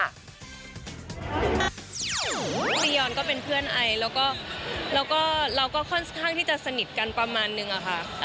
ยอนก็เป็นเพื่อนไอแล้วก็เราก็ค่อนข้างที่จะสนิทกันประมาณนึงอะค่ะ